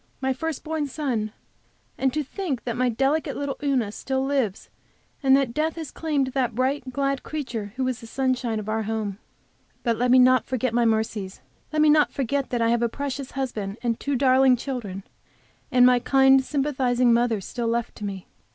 My first born son! And to think that my delicate little Una still lives, and that death has claimed that bright, glad creature who was the sunshine of our home! But let me not forget my mercies. Let me not forget that I have a precious husband and two darling children, and my kind, sympathizing mother left to me.